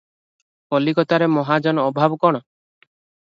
କଲିକତାରେ ମହାଜନ ଅଭାବ କଣ?